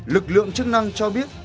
lực lượng chức năng cho biết